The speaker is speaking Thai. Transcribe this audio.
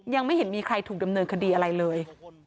ยังไม่เห็นมีใครถูกดำเนินคดีอะไรเลย